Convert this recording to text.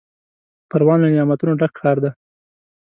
پروان له نعمتونو ډک ښار دی.